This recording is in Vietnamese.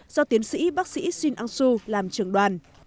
do tiến sĩ bác sĩ shin aung su làm trưởng đoàn